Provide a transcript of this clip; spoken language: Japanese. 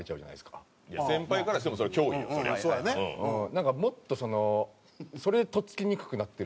なんかもっとそのそれで取っ付きにくくなってるかも。